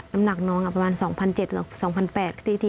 น้ำหนักน้องประมาณ๒๗๐๐กับ๒๘๐๐บาท